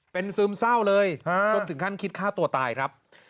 เป็นซึมเศร้าเลยจนถึงขั้นคิดฆ่าตัวตายครับ